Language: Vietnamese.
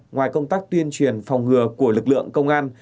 ngoài công tác tuyên truyền phòng ngừa của lực lượng công an